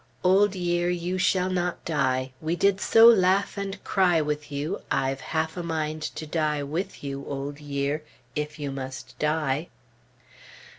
"Old year, you shall not die; We did so laugh and cry with you, I've half a mind to die with you, Old year, if you must die."